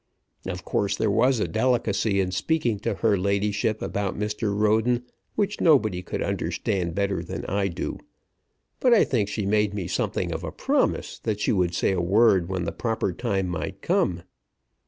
Of course there was a delicacy in speaking to her ladyship about Mr. Roden, which nobody could understand better than I do; but I think she made me something of a promise that she would say a word when a proper time might come.